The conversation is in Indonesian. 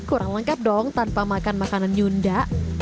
kurang lengkap dong tanpa makan makanan nyunda